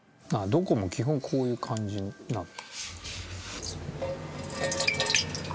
どこも基本こういう感じなの。